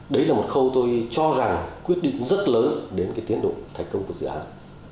đấy là một khâu tôi cho rằng quyết định rất lớn đến cái tiến độ thành công của dự án